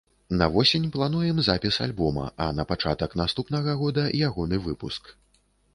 На восень плануем запіс альбома, а на пачатак наступнага года ягоны выпуск.